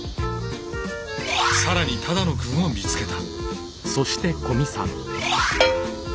更に只野くんを見つけた。